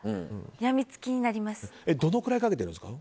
どのくらいかけてるんですか。